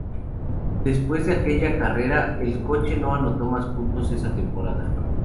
Despues de aquella carrera, el coche no anotó más puntos esa temporada.